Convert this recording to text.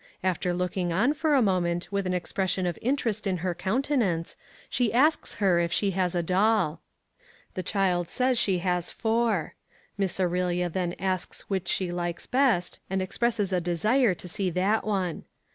After looking on for a moment with an expression of interest in her countenance, she asks her if she has a doll. The child says she has four. Miss Aurelia then asks which she likes best, and expresses a desire to see that one.